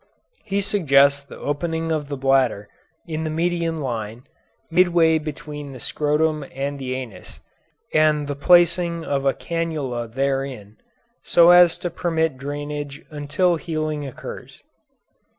He suggests the opening of the bladder in the median line, midway between the scrotum and the anus, and the placing of a canula therein, so as to permit drainage until healing occurs.